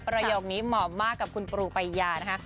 ประโยคนี้เหมาะมากกับคุณปูปัญญานะคะ